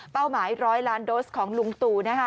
เป้าหมาย๑๐๐ล้านโดสของลุงตู